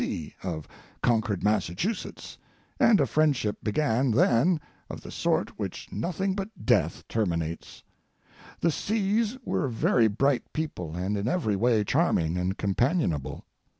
P. C., of Concord, Massachusetts, and a friendship began then of the sort which nothing but death terminates. The C.'s were very bright people and in every way charming and companionable.